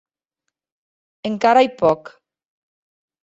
Encara ei pòc.